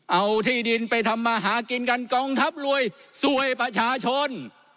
เอาที่ดินไปทำมาหากินกันกองทัพรวยสวยประชาชน